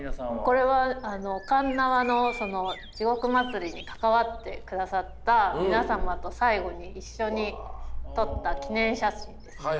これは鉄輪の地嶽祭に関わってくださった皆様と最後に一緒に撮った記念写真です。